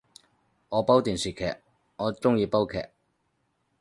我煲電視劇，我鍾意煲劇